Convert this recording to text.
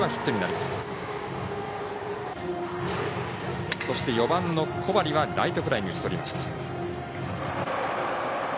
そして４番の小針はライトフライに打ち取りました。